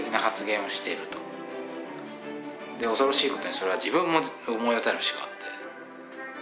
恐ろしいことにそれは自分も思い当たる節があって。